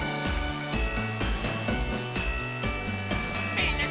みんなで。